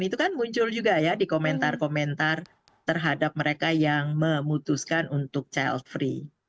itu kan muncul juga ya di komentar komentar terhadap mereka yang memutuskan untuk child free